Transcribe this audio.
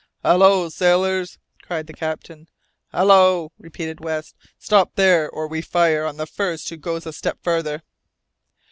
"Hallo, sailors!" cried the captain. "Hallo!" repeated West, "stop there, or we fire on the first who goes a step farther!"